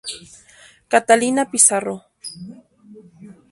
Catalina Pizarro.